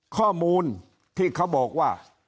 ข้อมูลที่เขาบอกว่า